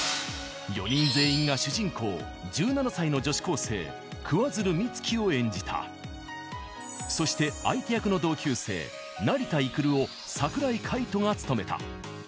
４人全員が主人公１７歳の女子高生桑鶴美月を演じたそして相手役の同級生・成田育を櫻井海音が務めた。